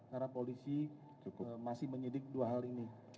karena polisi masih menyidik dua hal ini